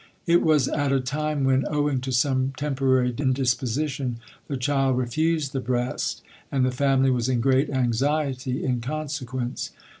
It was at a time when, owing to some temporary indisposition, the child refused the breast, and the family was in great anxiety in consequence.